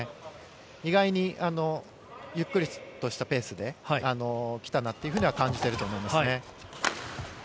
意外にゆっくりとしたペースで来たなというふうには感じていると思いますね。